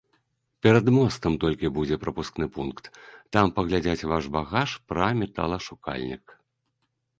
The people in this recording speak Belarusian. Перад мостам толькі будзе прапускны пункт, там паглядзяць ваш багаж пра металашукальнік.